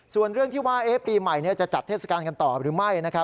ส่วนเรื่องที่ว่าปีใหม่จะจัดเทศกาลกันต่อหรือไม่